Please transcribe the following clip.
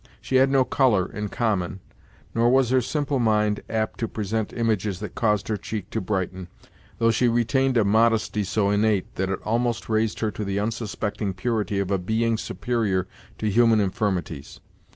She had no colour, in common, nor was her simple mind apt to present images that caused her cheek to brighten, though she retained a modesty so innate that it almost raised her to the unsuspecting purity of a being superior to human infirmities.